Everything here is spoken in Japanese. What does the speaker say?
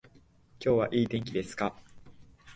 今日はいい天気ですか